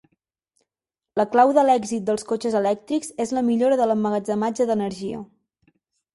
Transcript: La clau de l'èxit dels cotxes elèctrics és la millora de l'emmagatzematge d'energia.